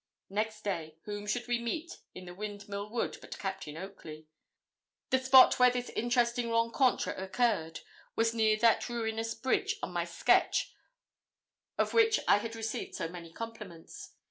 Next day whom should we meet in the Windmill Wood but Captain Oakley. The spot where this interesting rencontre occurred was near that ruinous bridge on my sketch of which I had received so many compliments.